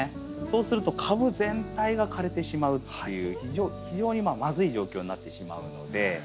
そうすると株全体が枯れてしまうっていう非常にまずい状況になってしまうので。